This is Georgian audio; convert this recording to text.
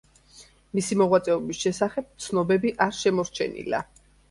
მისი მოღვაწეობის შესახებ ცნობები არ შემორჩენილა.